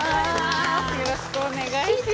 よろしくお願いします。